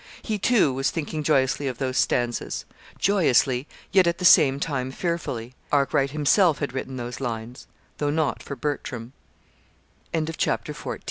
He, too, was thinking joyously of those stanzas joyously, yet at the same time fearfully. Arkwright himself had written those lines though not for Bertram. CHAPTER XV. "MR.